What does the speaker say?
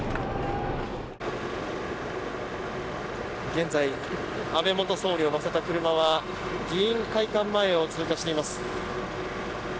現在安倍元総理を乗せた車は議員会館前を通過しています。